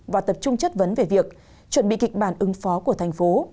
và tập trung chất vấn về việc chuẩn bị kịch bản ứng phó của thành phố